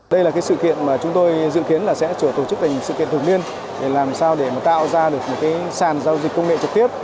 đây là cái sự kiện mà chúng tôi dự kiến là sẽ tổ chức thành sự kiện thường niên để làm sao để tạo ra được một sàn giao dịch công nghệ trực tiếp